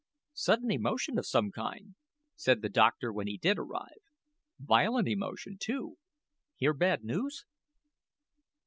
"Sudden emotion of some kind," said the doctor when he did arrive. "Violent emotion, too. Hear bad news?"